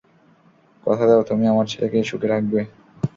কথা দাও তুমি আমার ছেলেকে সুখে রাখবে।